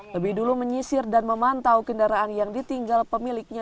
lebih dulu menyisir dan memantau kendaraan yang ditinggal pemiliknya